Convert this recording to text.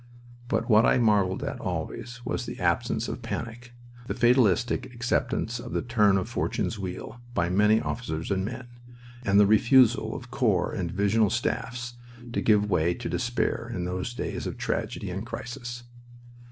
But what I marveled at always was the absence of panic, the fatalistic acceptance of the turn of fortune's wheel by many officers and men, and the refusal of corps and divisional staffs to give way to despair in those days of tragedy and crisis.